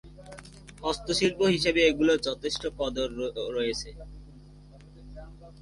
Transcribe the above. হস্তশিল্প হিসাবে এগুলোর যথেষ্ট কদর রয়েছে।